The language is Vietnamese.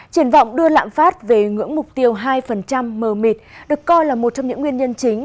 triển vọng đưa lạm phát về ngưỡng mục tiêu hai mờ mịt được coi là một trong những nguyên nhân chính